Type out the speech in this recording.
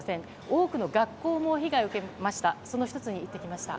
多くの学校も被害を受けました。